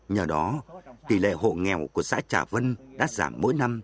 nhờ đó tỷ lệ hộ nghèo của xã trà vân đã giảm mỗi năm